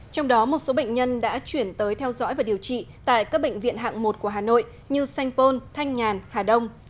trong đó một số bệnh nhân đã chuyển tới theo dõi và điều trị tại các bệnh viện hạng một của hà nội như sanh pôn thanh nhàn hà đông